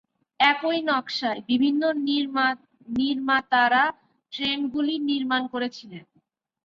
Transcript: একই নকশায় বিভিন্ন নির্মাতারা ট্রেনগুলি নির্মাণ করেছিলেন।